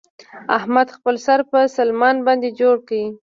احمد خپل سر په سلمان باندې جوړ کړ.